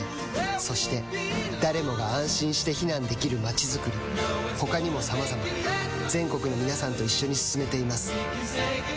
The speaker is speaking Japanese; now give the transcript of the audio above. そして誰もが安心して避難できる街づくり他にもさまざま全国の皆さんと一緒に進めています